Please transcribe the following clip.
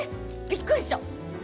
びっくりした！